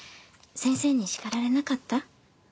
先生に叱られなかった？